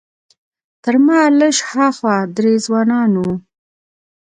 تر ما لږ ها خوا درې ځوانان وو.